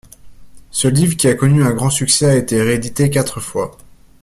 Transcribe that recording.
Ce livre qui a connu un grand succès a été réédité quatre fois.